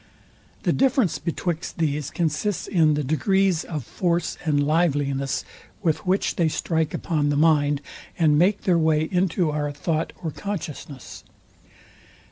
The difference betwixt these consists in the degrees of force and liveliness, with which they strike upon the mind, and make their way into our thought or consciousness.